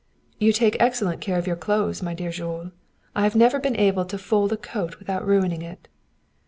"You take excellent care of your clothes, my dear Jules. I never have been able to fold a coat without ruining it."